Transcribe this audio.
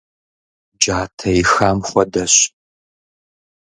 Джатэ ихам хуэдэщ.